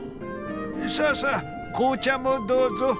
さあさあ紅茶もどうぞ。